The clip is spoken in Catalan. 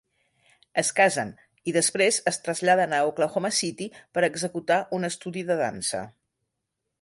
Es casen i després es traslladen a Oklahoma City per executar un estudi de dansa.